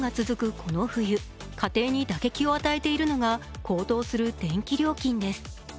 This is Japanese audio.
この冬、家庭に打撃を与えているのが高騰する電気料金です。